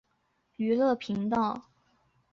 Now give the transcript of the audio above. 是香港银河卫视拥有的一条娱乐频道。